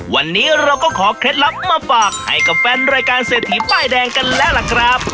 วันนี้เราก็ขอเคล็ดลับมาฝากให้กับแฟนรายการเศรษฐีป้ายแดงกันแล้วล่ะครับ